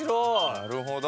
なるほど！